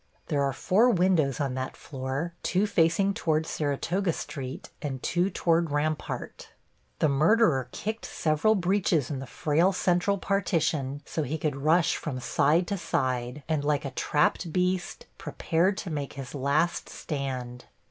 There are four windows on that floor, two facing toward Saratoga Street and two toward Rampart. The murderer kicked several breaches in the frail central partition, so he could rush from side to side, and like a trapped beast, prepared to make his last stand.